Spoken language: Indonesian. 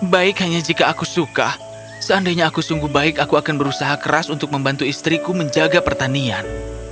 baik hanya jika aku suka seandainya aku sungguh baik aku akan berusaha keras untuk membantu istriku menjaga pertanian